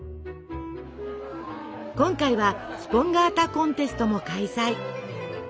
今回はスポンガータコンテストも開催。